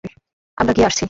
আমরা গিয়ে আসছি।